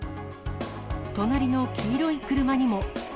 隣の黄色い車にも。